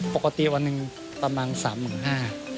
ปกติวันหนึ่งประมาณ๓๕มี